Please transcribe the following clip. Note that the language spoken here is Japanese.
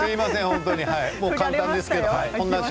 簡単ですけど。